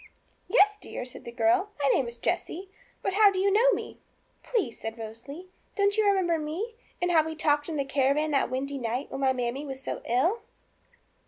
'Yes, dear,' said the girl, 'my name is Jessie; but how do you know me?' 'Please,' said Rosalie, 'don't you remember me? And how we talked in the caravan that windy night, when my mammie was so ill?'